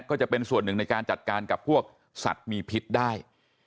ก็จะเป็นส่วนหนึ่งในการจัดการกับพวกสัตว์มีพิษได้